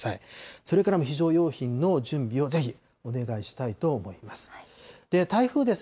それから非常用品の準備をぜひ、お願いしたいと思います。